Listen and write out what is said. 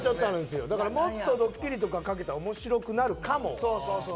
もっとドッキリとかかけたら面白くなるかも。